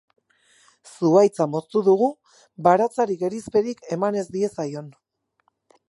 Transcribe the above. Zuhaitza moztu dugu baratzari gerizperik eman ez diezaion.